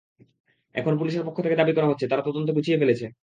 এখন পুলিশের পক্ষ থেকে দাবি করা হচ্ছে, তারা তদন্ত গুছিয়ে ফেলেছে।